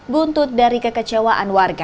buntut dari kekecewaan warga